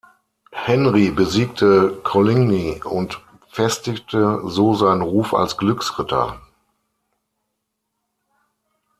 Henri besiegte Coligny und festigte so seinen Ruf als Glücksritter.